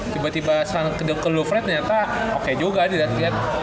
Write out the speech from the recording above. tiba tiba sekarang ke lufret ternyata oke juga dilihat lihat